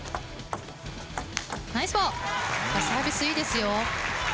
サービスいいですよ。